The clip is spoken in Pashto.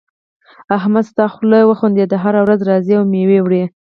احمد ستا خوله وخوندېده؛ هر ورځ راځې او مېوه وړې.